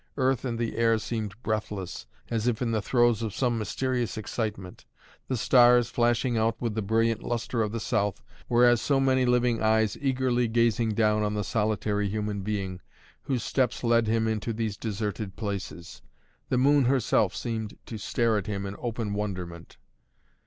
Earth and the air seemed breathless, as if in the throes of some mysterious excitement. The stars, flashing out with the brilliant lustre of the south, were as so many living eyes eagerly gazing down on the solitary human being whose steps led him into these deserted places. The moon herself seemed to stare at him in open wonderment.